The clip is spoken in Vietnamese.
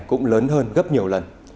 cũng lớn hơn gấp nhiều lần